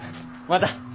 また。